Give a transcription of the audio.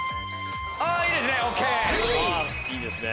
いいですね！